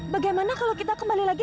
bagaimana kalau kita kembali lagi